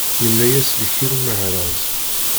Yemmela-yas lkil umehraz.